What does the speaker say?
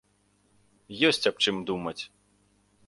Ёсць аб чым думаць.